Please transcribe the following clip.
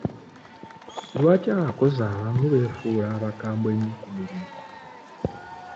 Lwaki abakozi abamu beefuula abakambwe ennyo ku mirimu?